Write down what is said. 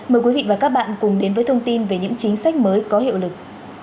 mời quý vị và các bạn cùng đến với thông tin về những chính sách mới có hiệu lực